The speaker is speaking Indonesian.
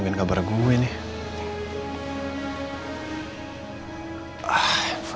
tidak ada yang bisa dikira